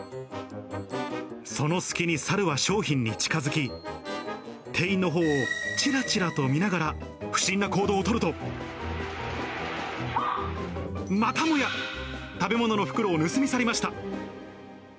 その隙に猿は商品に近づき、店員のほうをちらちらと見ながら、不審な行動を取ると、またもや、食べ物の袋を盗み去りました。